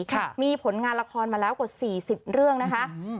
ค่ะมีผลงานละครมาแล้วกว่าสี่สิบเรื่องนะคะอืม